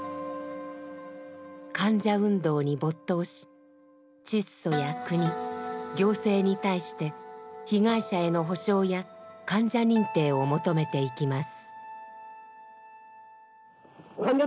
患者運動に没頭しチッソや国行政に対して被害者への補償や患者認定を求めていきます。